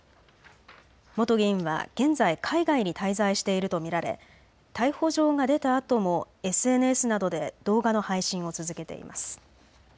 元議員は現在、海外に滞在していると見られ逮捕状が出たあともＳＮＳなどで動画の配信を続けています。